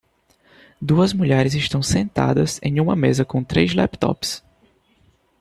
Duas mulheres estão sentadas em uma mesa com três laptops.